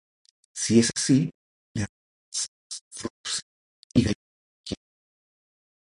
Si es así, les regala manzanas, frutos secos, y galletas de jengibre.